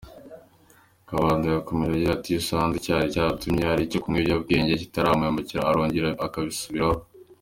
Kabanda yakomeje agira ati “Iyo asanze icyari cyaratumye ajya kunywa ibiyobyabwenge kitarakemuka arongera akabisubiraho.